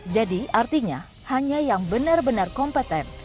jadi artinya hanya yang benar benar kompeten